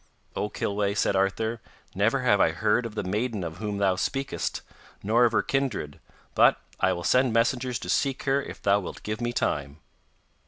'O Kilweh,' said Arthur, 'never have I heard of the maiden of whom thou speakest, nor of her kindred, but I will send messengers to seek her if thou wilt give me time.